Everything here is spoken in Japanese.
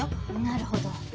なるほど。